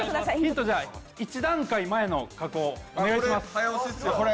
１段階前の加工、お願いします。